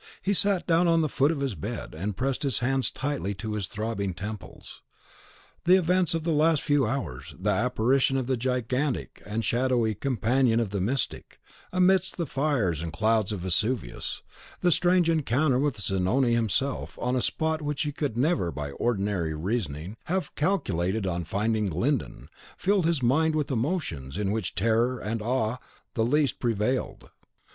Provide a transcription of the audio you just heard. He sat down on the foot of his bed, and pressed his hands tightly to his throbbing temples. The events of the last few hours; the apparition of the gigantic and shadowy Companion of the Mystic, amidst the fires and clouds of Vesuvius; the strange encounter with Zanoni himself, on a spot in which he could never, by ordinary reasoning, have calculated on finding Glyndon, filled his mind with emotions, in which terror and awe the least prevailed.